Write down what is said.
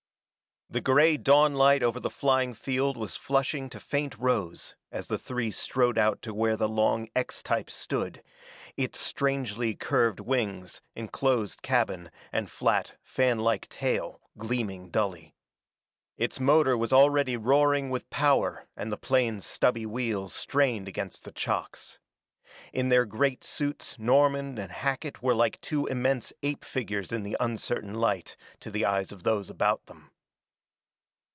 The gray dawn light over the flying field was flushing to faint rose as the three strode out to where the long X type stood, its strangely curved wings, enclosed cabin and flat, fan like tail gleaming dully. Its motor was already roaring with power and the plane's stubby wheels strained against the chocks. In their great suits Norman and Hackett were like two immense ape figures in the uncertain light, to the eyes of those about them.